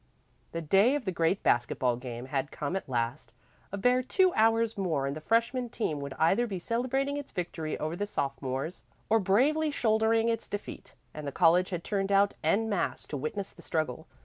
The day of the great basket ball game had come at last. A bare two hours more and the freshman team would either be celebrating its victory over the sophomores, or bravely shouldering its defeat; and the college had turned out en masse to witness the struggle.